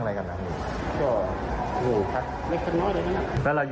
นางงานอินเทอร์เรย์